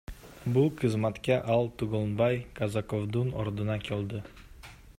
Бул кызматка ал Түгөлбай Казаковдун ордуна келди.